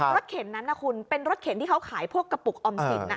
เข็นนั้นนะคุณเป็นรถเข็นที่เขาขายพวกกระปุกออมสิน